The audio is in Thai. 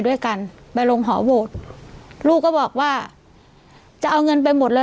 ด้วยกันไปลงหอโหวตลูกก็บอกว่าจะเอาเงินไปหมดเลย